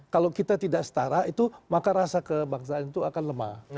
kalau kita tidak setara itu maka rasa kebangsaan itu akan lemah